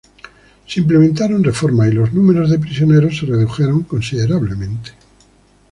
Se implementaron reformas y los números de prisioneros se redujeron considerablemente.